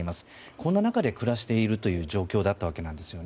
こんな中で暮らしているという状況だったわけです。